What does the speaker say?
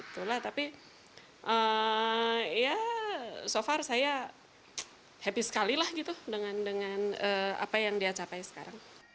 tapi ya so far saya happy sekali lah gitu dengan apa yang dia capai sekarang